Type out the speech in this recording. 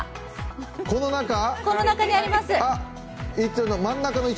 この中にあります。